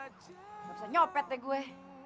gak bisa nyopet deh gue